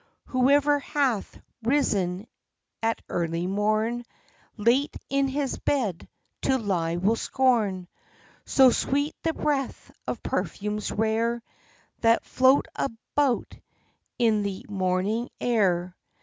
Whoever hath risen at early morn, Late in his bed to lie will scorn, — So sweet the breath of perfumes rare, That float about in the morning air.